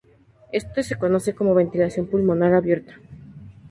Esto se conoce como "ventilación pulmonar abierta".